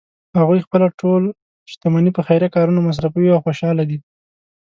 هغوی خپله ټول شتمني په خیریه کارونو مصرفوی او خوشحاله دي